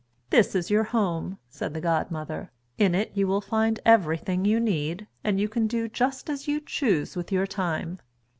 "This is your home," said the godmother. "In it you will find everything you need, and you can do just as you choose with your time."